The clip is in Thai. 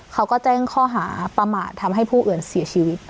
เขาก็แจ้งข้อหาประมาททำให้ผู้อื่นเสียชีวิต